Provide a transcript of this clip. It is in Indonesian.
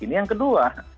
ini yang kedua